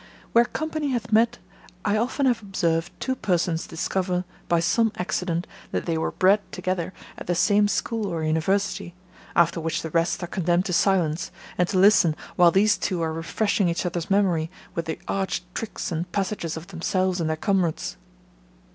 Where company hath met, I often have observed two persons discover, by some accident, that they were bred together at the same school or university, after which the rest are condemned to silence, and to listen while these two are refreshing each other's memory with the arch tricks and passages of themselves and their comrades.